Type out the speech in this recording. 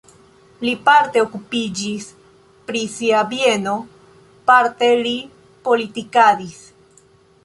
Li parte okupiĝis pri sia bieno, parte li politikadis.